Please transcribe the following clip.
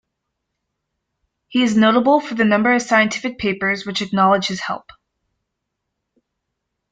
He is notable for the number of scientific papers which acknowledge his help.